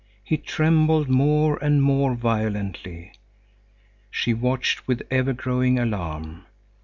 He trembled more and more violently. She watched with ever growing alarm.